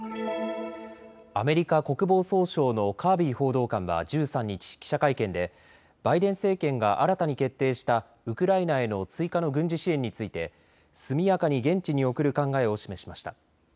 アメリカ国防総省のカービー報道官は１３日、記者会見でバイデン政権が新たに決定したウクライナへの追加の軍事支援について速やかに現地に送る考えを示しました。